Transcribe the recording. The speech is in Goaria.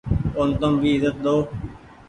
اون تم ڀي ايزت ۮئو۔